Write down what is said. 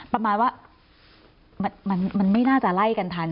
ประมาณว่ามันไม่น่าจะไล่กันทัน